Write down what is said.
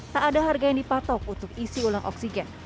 tak ada harga yang dipatok untuk isi ulang oksigen